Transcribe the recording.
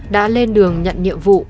đã lên đường nhận nhiệm vụ